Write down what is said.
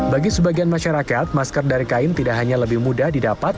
bagi sebagian masyarakat masker dari kain tidak hanya lebih mudah didapat